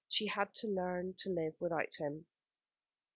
She had to learn to live without him.